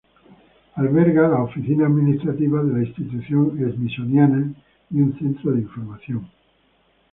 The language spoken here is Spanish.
Alberga las oficinas administrativas de la Institución Smithsonian y un centro de información.